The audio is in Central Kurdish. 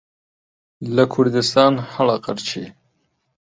لە کوردستان هەڵئەقرچێ